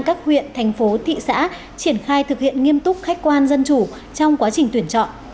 các huyện thành phố thị xã triển khai thực hiện nghiêm túc khách quan dân chủ trong quá trình tuyển chọn